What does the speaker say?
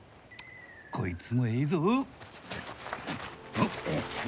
こいつもえいぞ！